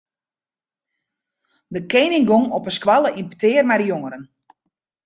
De kening gong op de skoalle yn petear mei de jongeren.